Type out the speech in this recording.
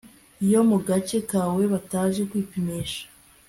yo mu gace kawe bataje kwipimisha